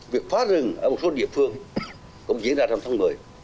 việc phá rừng ở một số địa phương cũng diễn ra trong tháng một mươi